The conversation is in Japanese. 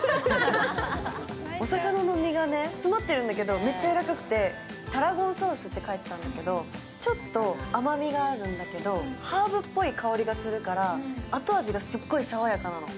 お魚の身が詰まってるんだけどすごいやわらかくてタラゴンソースって書いてあるんだけど、ちょっと甘みがあるんだけど、ハーブっぽい香りがするから後味がすっごい爽やかなの。